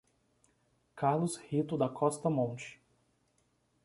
Carlos Rito da Costa Monte